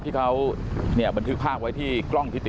จับได้ป่ะโทษนะพี่โทษนะพี่